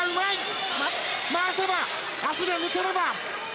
回せば、足が抜ければ。